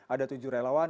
ada tujuh relawan